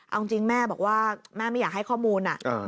เอาจริงแม่บอกว่าแม่ไม่อยากให้ข้อมูล